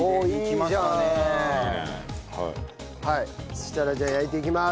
そしたらじゃあ焼いていきます。